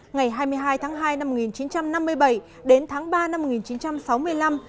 ngày hai mươi hai tháng hai năm một nghìn chín trăm năm mươi bảy đến tháng ba năm một nghìn chín trăm sáu mươi năm